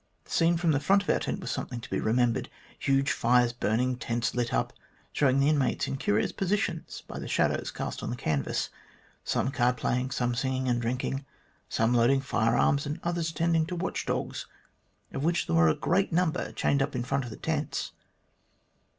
The scene from the front of our tent was something to be remembered huge fires burning, tents lit up, showing the inmates in curious positions by the shadows cast on the canvas, some card playing, some singing and drinking, some loading firearms, and others attending to watch dogs, of which there was a great number chained up in front of the tents.